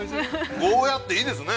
ゴーヤっていいですね。